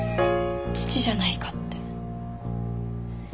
父じゃないかって。